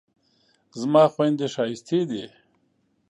زما خویندې ښایستې دي